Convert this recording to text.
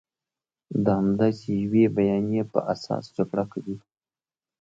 د همداسې یوې بیانیې په اساس جګړه کوي.